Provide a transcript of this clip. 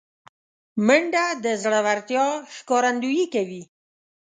منډه د زړورتیا ښکارندویي کوي